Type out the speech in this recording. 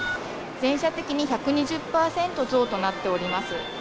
全社的に１２０％増となっております。